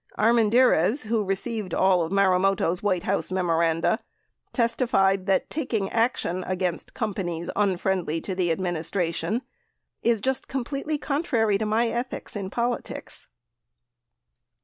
Armendariz, who received all of Marumoto's White House memoranda, testified that taking action against companies unfriendly to the administration "is just completely contrary to my ethics in politics."